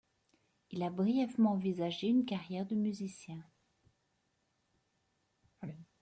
Il a brièvement envisagé une carrière de musicien.